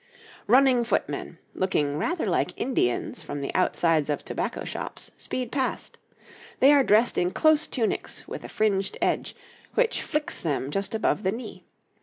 ] Running footmen, looking rather like Indians from the outsides of tobacco shops, speed past. They are dressed in close tunics with a fringed edge, which flicks them just above the knee.